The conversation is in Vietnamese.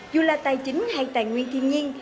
dù là tài chính hay tài nguyên thiên nhiên